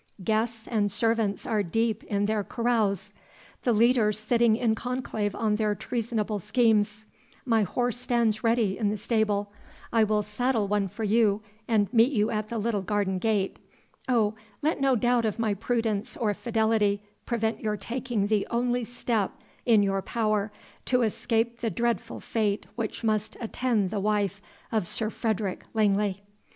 Guests and servants are deep in their carouse the leaders sitting in conclave on their treasonable schemes my horse stands ready in the stable I will saddle one for you, and meet you at the little garden gate O, let no doubt of my prudence or fidelity prevent your taking the only step in your power to escape the dreadful fate which must attend the wife of Sir Frederick Langley!"